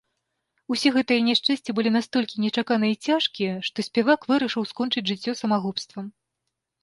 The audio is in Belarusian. Усе гэтыя няшчасці былі настолькі нечаканыя і цяжкія, што спявак вырашыў скончыць жыццё самагубствам.